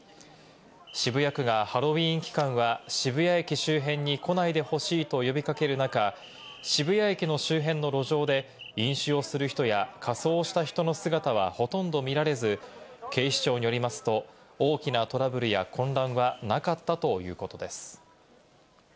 渋谷区がハロウィーン期間は渋谷駅周辺に来ないでほしいと呼び掛ける中、渋谷駅の周辺の路上で飲酒をする人や仮装をした人の姿はほとんど見られず、警視庁によりますと、大きなトラブルや混乱はなかったということです。